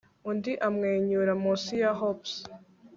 Undi amwenyura munsi ya hops